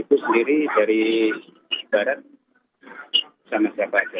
itu sendiri dari barat sama siapa aja